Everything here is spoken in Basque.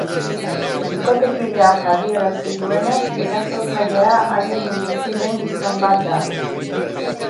Bikotekideak adierazi duenez, erasotzailea haiekin bizi den gizon bat da.